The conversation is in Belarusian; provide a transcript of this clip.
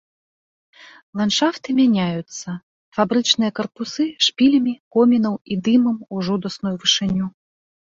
Ландшафты мяняюцца, фабрычныя карпусы шпілямі комінаў і дымам у жудасную вышыню.